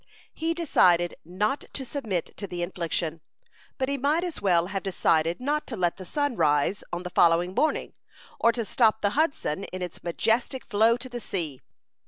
He decided not to submit to the infliction; but he might as well have decided not to let the sun rise on the following morning, or to stop the Hudson in its majestic flow to the sea.